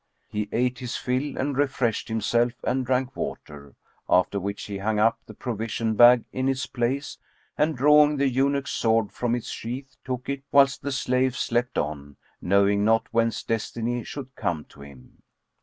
He ate his fill and refreshed himself and drank water, after which he hung up the provision bag in its place and drawing the eunuch's sword from its sheath, took it, whilst the slave slept on, knowing not whence destiny should come to him.